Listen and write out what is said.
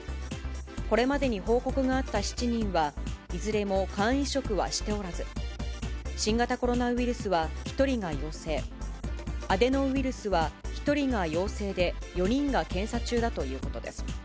これまでに報告があった７人は、いずれも肝移植はしておらず、新型コロナウイルスは１人が陽性、アデノウイルスは１人が陽性で、４人が検査中だということです。